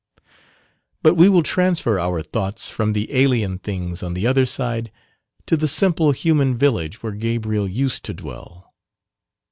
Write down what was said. But we will transfer our thoughts from the alien things on the "other side" to the simple human village where Gabriel used to dwell.